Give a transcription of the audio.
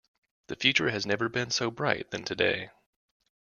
The future has never been so bright than today.